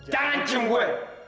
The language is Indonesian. jangan cium gue